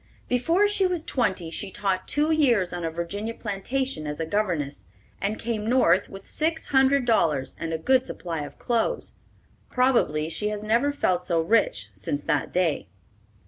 Before she was twenty she taught two years on a Virginia plantation as a governess, and came North with six hundred dollars and a good supply of clothes. Probably she has never felt so rich since that day.